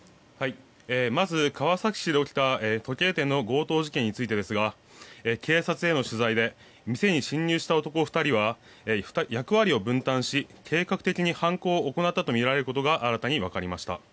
まず、川崎市で起きた時計店の強盗事件についてですが警察への取材で店に侵入した男２人は役割を分担し、計画的に犯行を行ったとみられることが新たに分かりました。